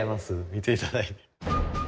見ていただいて。